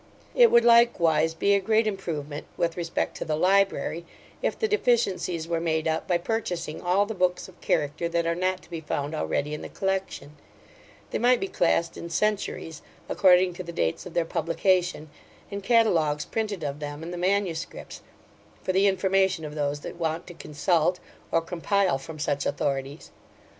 It would likewise be a great improvement, with respect to the library, if the deficiencies were made up, by purchasing all the books of character that are not to be found already in the collection They might be classed in centuries, according to the dates of their publication, and catalogues printed of them and the manuscripts, for the information of those that want to consult, or compile from such authorities.